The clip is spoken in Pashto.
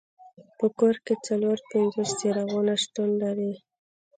په کور کې څلور پنځوس څراغونه شتون لري.